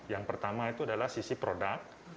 yang pertama itu adalah sisi produk